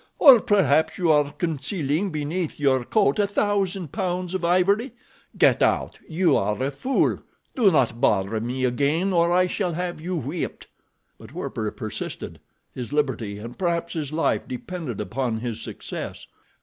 Or, perhaps you are concealing beneath your coat a thousand pounds of ivory. Get out! You are a fool. Do not bother me again or I shall have you whipped." But Werper persisted. His liberty and perhaps his life depended upon his success.